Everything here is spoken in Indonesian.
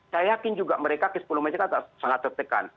saya yakin juga mereka ke sepuluh menit sangat tertekan